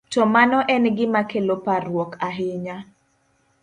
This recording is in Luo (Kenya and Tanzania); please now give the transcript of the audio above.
to mano en gima kelo parruok ahinya.